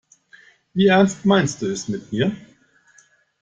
Wie ernst meinst du es mit mir?